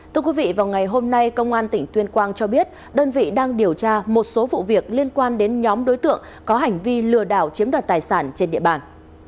thưa quý vị vào ngày hôm nay công an tỉnh tuyên quang cho biết đơn vị đang điều tra một số vụ việc liên quan đến nhóm đối tượng có hành vi lừa đảo chiếm đoạt tài sản trên địa bàn